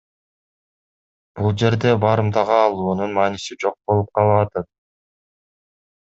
Бул жерде барымтага алуунун мааниси жок болуп калып атат.